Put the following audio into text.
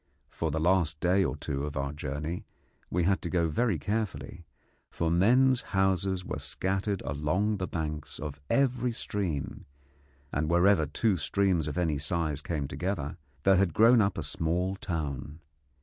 For the last day or two of our journey we had to go very carefully, for men's houses were scattered along the banks of every stream, and wherever two streams of any size came together there had grown up a small town.